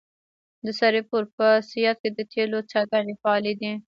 د سرپل په صیاد کې د تیلو څاګانې فعالې دي.